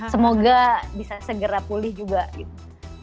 semoga bisa segera pulih juga gitu